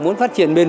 muốn phát triển bền